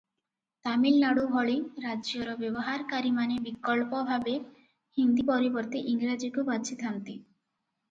ତାମିଲନାଡ଼ୁ ଭଳି ରାଜ୍ୟର ବ୍ୟବହାରକାରୀମାନେ ବିକଳ୍ପ ଭାବେ ହିନ୍ଦୀ ପରିବର୍ତ୍ତେ ଇଂରାଜୀକୁ ବାଛିଥାନ୍ତି ।